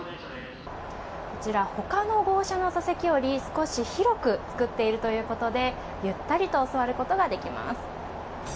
こちら他の号車の座席より少し広く作っているということでゆったりと座ることができます。